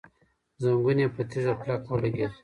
زنګون يې په تيږه کلک ولګېد.